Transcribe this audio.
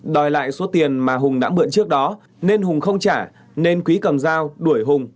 đòi lại số tiền mà hùng đã mượn trước đó nên hùng không trả nên quý cầm dao đuổi hùng